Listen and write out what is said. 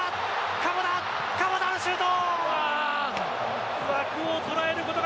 鎌田のシュート！